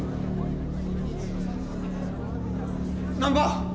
・難破！